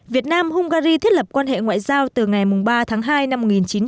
việt nam hungary thiết lập quan hệ ngoại giao từ ngày ba tháng hai năm một nghìn chín trăm bảy mươi